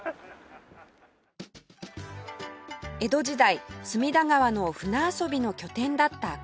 江戸時代隅田川の舟遊びの拠点だったこのエリア